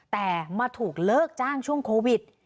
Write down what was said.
แต่มาถูกเลิกจ้างช่วงโควิด